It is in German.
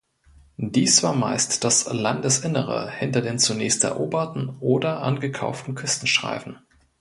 Dies war meist das Landesinnere hinter den zunächst eroberten oder angekauften Küstenstreifen.